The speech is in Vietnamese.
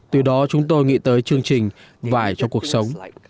từ đó chúng tôi nghĩ tới chương trình vải cho cuộc sống